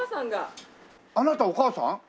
あなたお母さん？